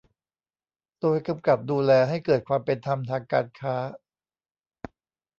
โดยกำกับดูแลให้เกิดความเป็นธรรมทางการค้า